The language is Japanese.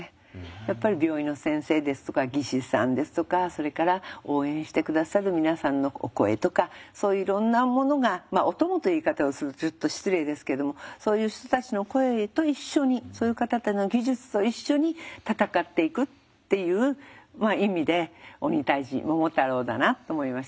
やっぱり病院の先生ですとか技師さんですとかそれから応援して下さる皆さんのお声とかそういういろんなものがお供という言い方をするとちょっと失礼ですけどもそういう人たちの声と一緒にそういう方たちの技術と一緒に闘っていくっていう意味で鬼退治桃太郎だなと思いました。